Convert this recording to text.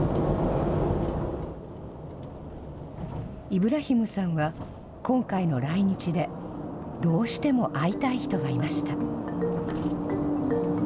イブラヒムさんは今回の来日で、どうしても会いたい人がいました。